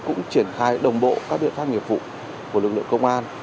chúng tôi cũng triển khai đồng bộ các biện pháp nghiệp vụ của lực lượng công an